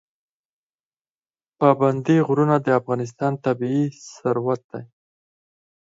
پابندی غرونه د افغانستان طبعي ثروت دی.